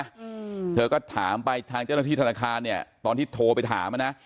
อืมเธอก็ถามไปทางเจ้าหน้าที่ธนาคารเนี้ยตอนที่โทรไปถามอ่ะนะ